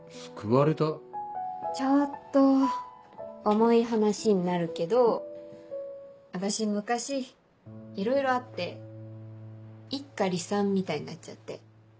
ちょっと重い話になるけど私昔いろいろあって一家離散みたいになっちゃって。